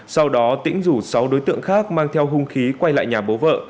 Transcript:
sau đó tỉnh rủ sáu đối tượng khác mang theo hung khí quay lại nhà bố vợ